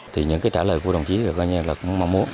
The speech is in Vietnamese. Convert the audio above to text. thì những cái trả lời của đồng chí là mong mong muốn